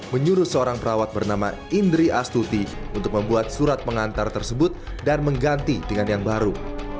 menyuruh seorang perawat bernama indri astuti untuk membuat surat pengantar tersebut dan mengganti dengan yang baru